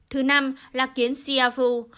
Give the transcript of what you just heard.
thứ năm là kiến siafu